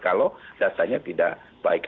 kalau datanya tidak baik